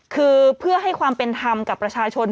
คือเพื่อให้ความเป็นธรรมกับประชาชน